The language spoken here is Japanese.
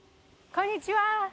こんにちは。